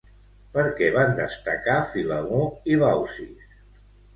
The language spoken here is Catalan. Per què van destacar Filemó i Baucis?